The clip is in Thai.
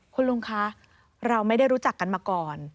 คุณลุงคะเราไม่ได้รู้จักกันมาก่อน